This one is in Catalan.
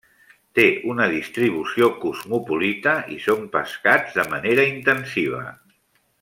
Té una distribució cosmopolita i són pescats de manera intensiva.